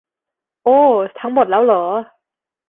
โอ้ ทั้งหมดแล้วหรอ